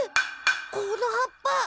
この葉っぱ。